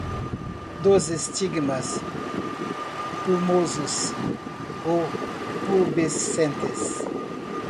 Dos estigmas; plumosos, o pubescentes.